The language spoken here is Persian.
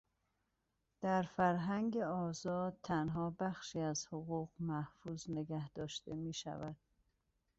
در فرهنگ آزاد، تنها بخشی از حقوق محفوظ نگه داشته میشود